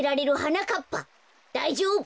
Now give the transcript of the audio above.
だいじょうぶ！